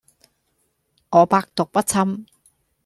我百毒不侵